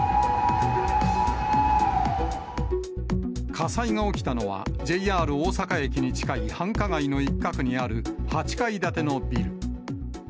火災が起きたのは、ＪＲ大阪駅に近い繁華街の一角にある８階建てのビル。